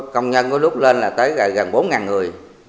công nhân có lúc lên là tới gần bốn người